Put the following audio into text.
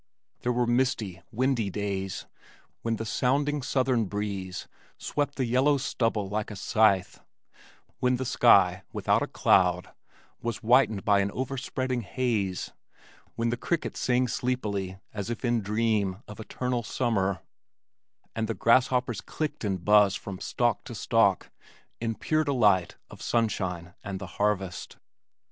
There were misty, windy days when the sounding, southern breeze swept the yellow stubble like a scythe; when the sky, without a cloud, was whitened by an overspreading haze; when the crickets sang sleepily as if in dream of eternal summer; and the grasshoppers clicked and buzzed from stalk to stalk in pure delight of sunshine and the harvest.